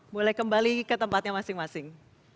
boleh kembali ke tempatnya masing masing